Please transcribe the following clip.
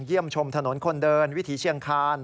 เยี่ยมชมถนนคนเดินวิถีเชียงคาร